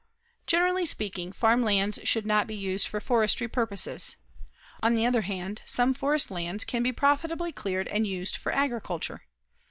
Generally speaking, farm lands should not be used for forestry purposes. On the other hand, some forest lands can be profitably cleared and used for agriculture.